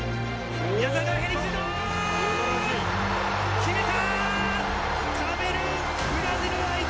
決めた！